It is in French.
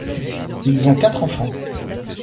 Ils ont quatre enfants.